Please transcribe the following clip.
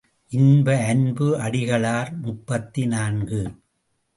இன்ப அன்பு அடிகளார் முப்பத்து நான்கு.